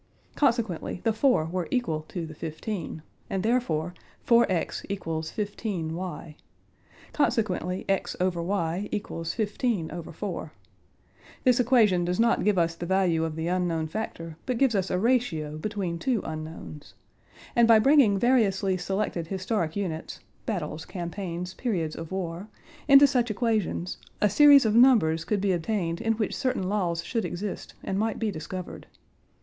Consequently the four were equal to the fifteen, and therefore 4x = 15y. Consequently x/y = 15/4. This equation does not give us the value of the unknown factor but gives us a ratio between two unknowns. And by bringing variously selected historic units (battles, campaigns, periods of war) into such equations, a series of numbers could be obtained in which certain laws should exist and might be discovered.